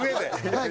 はい。